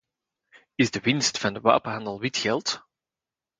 Is de winst van wapenhandel wit geld?